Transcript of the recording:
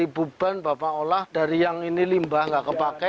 ibu ban bapak olah dari yang ini limbah nggak kepakai